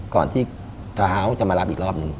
ก่อนที่ท้าวจะมารับอีกรอบหนึ่ง